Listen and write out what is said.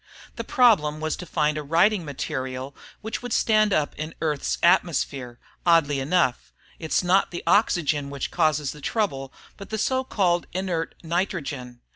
The problem was to find a writing material which would stand up in Earth's atmosphere oddly enough, it's not the oxygen which causes the trouble, but the so called "inert" nitrogen.